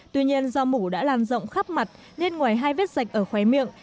tuy nhiên do mủ đã lan rộng khắp mặt nên ngoài hai vết dạch ở khóe miệng